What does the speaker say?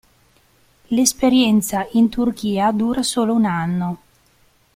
L'esperienza in Turchia dura solo un anno.